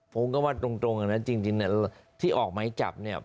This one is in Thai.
ผมก็ว่าตรงกันนะจริงที่ออกไม้จับเนี่ย